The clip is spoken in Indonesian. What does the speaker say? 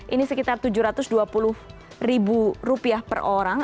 ini sekitar tujuh ratus dua puluh ribu rupiah per orang